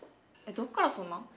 どっからそんな？